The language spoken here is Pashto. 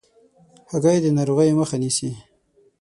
هګۍ د ناروغیو مخه نیسي.